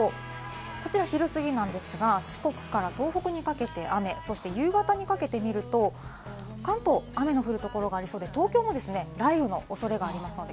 こちら昼すぎなんですが、四国から東北にかけて雨、そして夕方にかけてみると、関東、雨の降る所がありそうで、東京も雷雨の予想があります。